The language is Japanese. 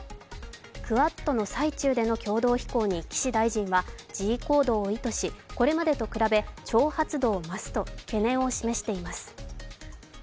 クアッドの最中での共同飛行に岸大臣は示威行動を意図しこれまでと比べ挑発度を増すと懸念を示しています。